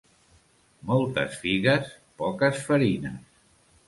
Moltes figues, poques farines.